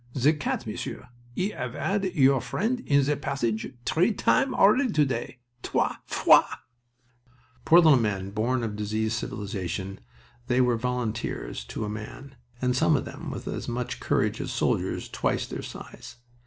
"Ze cat, Monsieur, 'e 'ave 'ad your friend in ze passage tree time already to day. Trois fois!" Poor little men born of diseased civilization! They were volunteers to a man, and some of them with as much courage as soldiers twice their size.